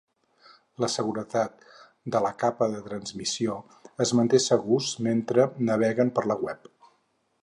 La seguretat de la capa de transmissió ens manté segurs mentre naveguem per la web.